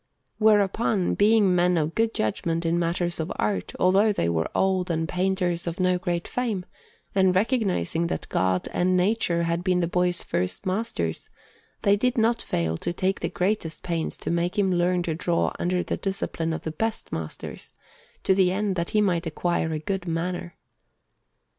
Whereupon, being men of good judgment in matters of art, although they were old and painters of no great fame, and recognizing that God and Nature had been the boy's first masters, they did not fail to take the greatest pains to make him learn to draw under the discipline of the best masters, to the end that he might acquire a good manner.